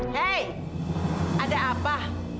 hei ada apa